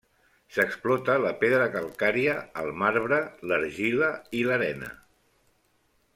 S'explota la pedra calcària, el marbre, l'argila i l'arena.